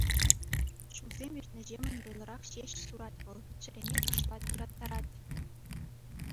Ҫулсем иртнӗҫемӗн вӑйлӑрах ҫеҫ сурать вӑл, чӗрене кӑшлать, ыраттарать.